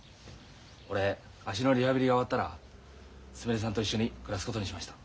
俺足のリハビリが終わったらすみれさんと一緒に暮らすことにしました。